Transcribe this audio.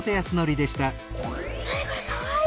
何これかわいい！